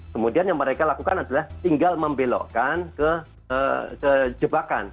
kemudian yang mereka lakukan adalah tinggal membelokkan ke jebakan